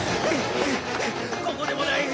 ここでもない！